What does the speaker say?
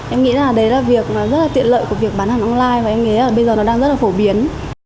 em nghĩ là đấy là việc rất là tiện lợi của việc bán hàng online và em nghĩ là bây giờ nó đang rất là phổ biến